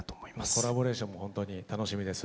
コラボレーションも本当に楽しみです。